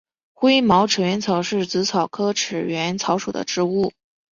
灰毛齿缘草是紫草科齿缘草属的植物。